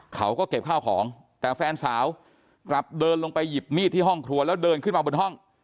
เขาก็เก็บข้าวของแต่แฟนสาวกลับเดินลงไปหยิบมีดที่ห้องครัวแล้วเดินขึ้นมาบนห้อง